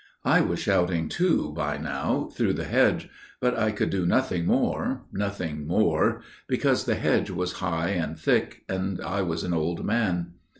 "I was shouting too by now, through the hedge: but I could do nothing more, nothing more, because the hedge was high and thick, and I was an old man.